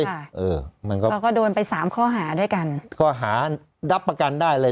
เออมันก็โดนไปสามข้อหาด้วยกันข้อหารับประกันได้เลย